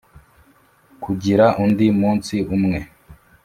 kugira undi munsi umwe.